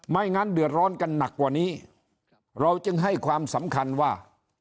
งั้นเดือดร้อนกันหนักกว่านี้เราจึงให้ความสำคัญว่า